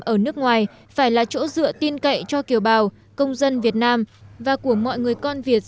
ở nước ngoài phải là chỗ dựa tin cậy cho kiều bào công dân việt nam và của mọi người con việt